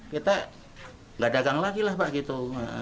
kita nggak dagang lagi lah pak gitu